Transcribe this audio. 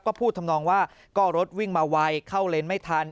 ก็พูดทำนองว่าก็รถวิ่งมาไวเข้าเลนไม่ทัน